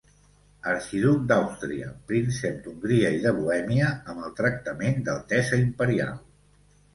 Arxiduc d'Àustria, príncep d'Hongria i de Bohèmia amb el tractament d'altesa imperial.